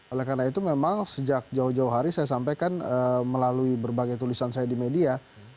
oleh karena itu memang sejak jauh jauh hari saya sampaikan melalui berbagai tulisan saya di media